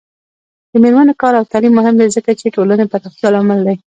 د میرمنو کار او تعلیم مهم دی ځکه چې ټولنې پراختیا لامل دی.